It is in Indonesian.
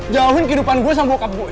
jauhin kehidupan gue sama kak gue